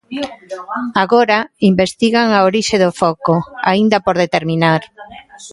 Agora, investigan a orixe do foco, aínda por determinar.